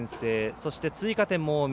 そして、追加点も近江。